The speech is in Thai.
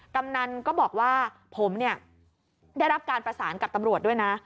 กำนันก็บอกว่าผมเนี่ยได้รับการประสานกับตำรวจด้วยนะ